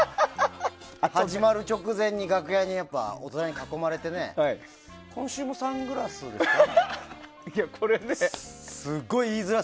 始まる直前に楽屋で大人に囲まれてね今週もサングラスですか？